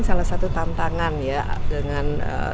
ada tantangan ya dengan